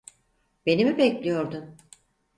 Beni mi bekliyordun?